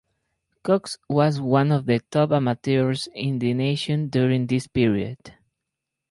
Cox was one of the top amateurs in the nation during this period.